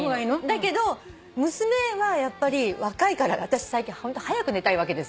だけど娘はやっぱり若いから私最近ホント早く寝たいわけですよ。